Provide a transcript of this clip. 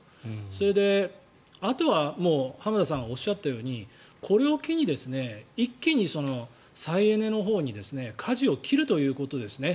それで、あとはもう浜田さんがおっしゃったようにこれを機に一気に再エネのほうにかじを切るということですね。